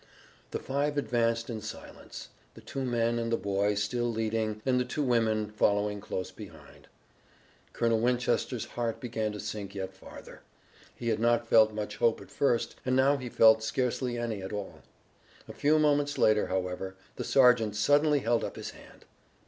The five advanced in silence, the two men and the boy still leading and the two women following close behind. Colonel Winchester's heart began to sink yet farther. He had not felt much hope at first, and now he felt scarcely any at all. A few moments later, however, the sergeant suddenly held up his hand.